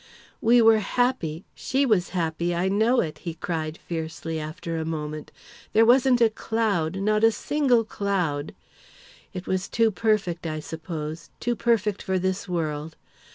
"We were happy she was happy, I know it!" he cried fiercely, after a moment. "There wasn't a cloud not a single cloud! It was too perfect, I suppose too perfect for this world.